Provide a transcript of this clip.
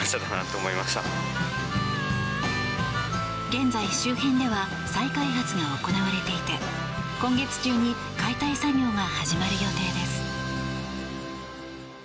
現在、周辺では再開発が行われていて今月中に解体作業が始まる予定です。